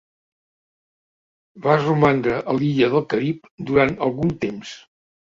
Va romandre a l'illa del Carib durant algun temps.